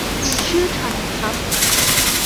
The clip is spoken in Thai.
ชื่อทันครับ